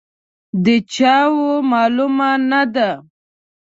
د چا وه، معلومه نه ده.